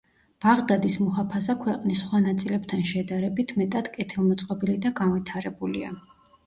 ბაღდადის მუჰაფაზა ქვეყნის სხვა ნაწილებთან შედარებით, მეტად კეთილმოწყობილი და განვითარებულია.